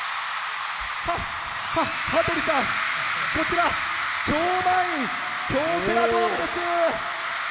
は、は、羽鳥さん、こちら、超満員、京セラドームです。